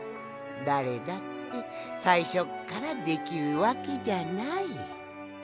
だれだってさいしょっからできるわけじゃない。